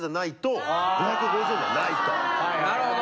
なるほど。